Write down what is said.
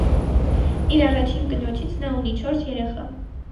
Իր առաջին կնոջից նա ունի չորս երեխա։